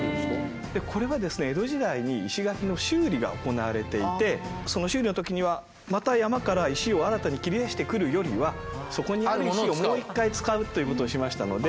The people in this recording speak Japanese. これはですね江戸時代に石垣の修理が行われていてその修理の時にはまた山から石を新たに切り出してくるよりはそこにある石をもう一回使うということをしましたので。